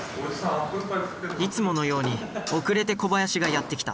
いつものように遅れて小林がやって来た。